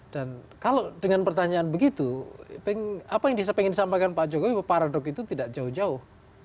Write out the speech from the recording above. dan kalau dengan pertanyaan begitu apa yang ingin disampaikan pak jokowi paradoks itu tidak jauh jauh